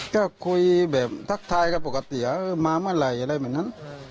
ก็คุยแบบทักทายกันปกติมาเมื่อไหร่อะไรเหมือนนั้น